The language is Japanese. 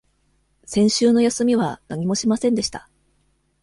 先週の休みは何もしませんでした。